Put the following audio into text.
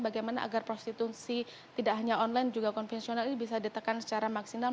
bagaimana agar prostitusi tidak hanya online juga konvensional ini bisa ditekan secara maksimal